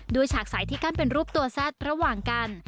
ฉากสายที่กั้นเป็นรูปตัวแซ่ดระหว่างกัน